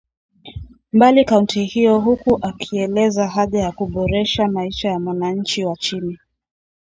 mbali kaunti hiyo huku akieleza haja ya kuboresha maisha ya mwanachi wa chini